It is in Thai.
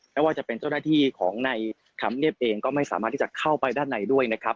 ไม่ว่าจะเป็นเจ้าหน้าที่ของในธรรมเนียบเองก็ไม่สามารถที่จะเข้าไปด้านในด้วยนะครับ